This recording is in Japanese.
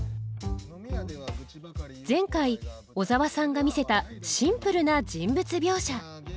前回小沢さんが見せたシンプルな人物描写。